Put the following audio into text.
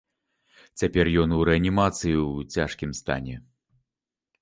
Цяпер ён у рэанімацыі ў цяжкім стане.